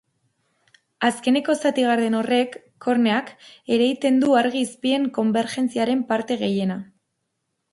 Azkeneko zati garden horrek, korneak, eragiten du argi-izpien konbergentziaren parte gehiena.